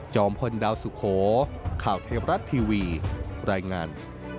พลดาวสุโขข่าวเทพรัฐทีวีรายงาน